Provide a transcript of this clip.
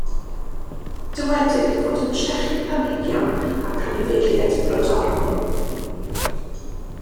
Dywedir ei fod yn trechu planhigion ac anifeiliaid brodorol.